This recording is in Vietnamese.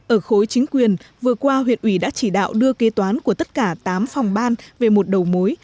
ở khối chính quyền vừa qua huyện ủy đã chỉ đạo đưa kế toán của tất cả tám phòng ban về một đầu mối